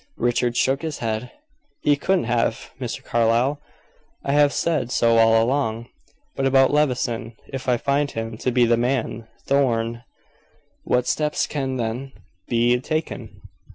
Richard shook his head. "He couldn't have, Mr. Carlyle; I have said so all along. But about Levison. If I find him to be the man Thorn, what steps can then be taken?"